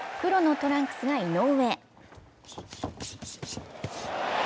黒のトランクスが井上。